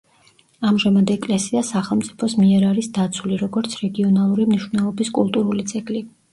ამჟამად ეკლესია სახელმწიფოს მიერ არის დაცული, როგორც რეგიონალური მნიშვნელობის კულტურული ძეგლი.